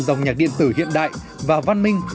dòng nhạc điện tử hiện đại và văn minh